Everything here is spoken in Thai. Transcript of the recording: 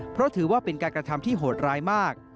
เพราะถือว่าเป็นการกระทำที่โหดร้ายมาก